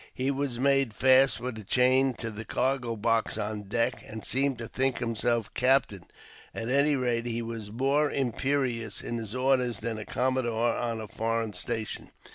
He was made fast with a chain to the cargo box on deck, and seemed to think himself captain ; at any rate, he was more imperious in his orders than a commodore on a foreign station.